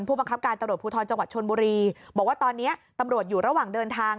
บังคับการตำรวจภูทรจังหวัดชนบุรีบอกว่าตอนนี้ตำรวจอยู่ระหว่างเดินทาง